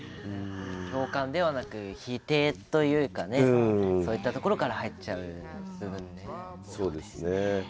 共感ではなく否定というかそういったところから入っちゃう部分。